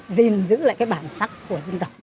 gìn giữ lại cái bản sắc của dân tộc